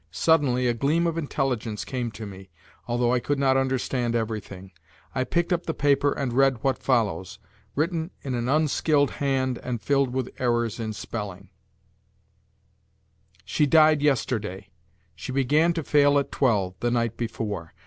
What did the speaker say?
Suddenly a gleam of intelligence came to me, although I could not understand everything. I picked up the paper and read what follows, written in an unskilled hand and filled with errors in spelling: "She died yesterday. She began to fail at twelve, the night before.